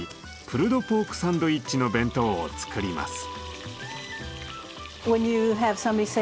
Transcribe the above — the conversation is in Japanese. プルドポークサンドイッチの弁当を作ります。